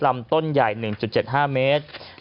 ลำต้นใหญ่๑๗๕เมตร